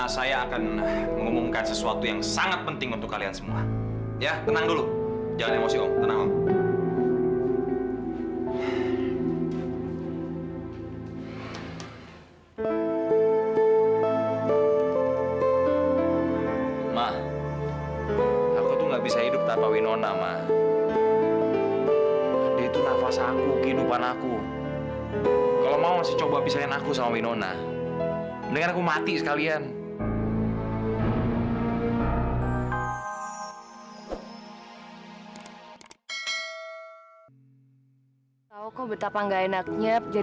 sampai jumpa di video selanjutnya